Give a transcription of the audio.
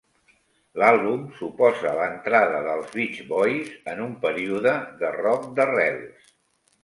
L'àlbum suposa l'entrada dels Beach Boys en un període de rock d'arrels.